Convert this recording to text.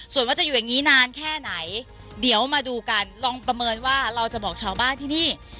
ส่วนว่าจะอยู่อย่างนี้นานแค่ไหนเดี๋ยวมาดูกันลองประเมินว่าเราจะบอกชาวบ้านที่นี่